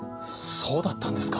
そうだったんですか。